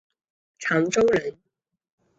长洲人。